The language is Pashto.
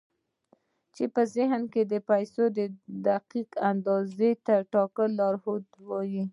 چې په ذهن کې د پيسو د دقيقې اندازې د ټاکلو لارښوونه درته کوي.